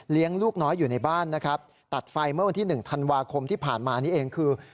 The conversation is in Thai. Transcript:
ลูกน้อยอยู่ในบ้านนะครับตัดไฟเมื่อวันที่๑ธันวาคมที่ผ่านมานี่เองคือ